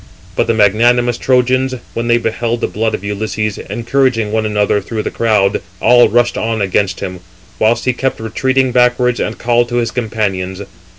But the magnanimous Trojans, when they beheld the blood of Ulysses, encouraging one another through the crowd, all rushed on against him; whilst he kept retreating backwards, and called to his companions.